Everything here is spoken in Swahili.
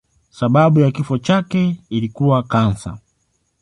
Sababu ya kifo chake ilikuwa kansa.